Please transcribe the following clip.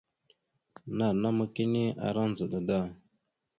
Nanama kini ara ndzəɗa da.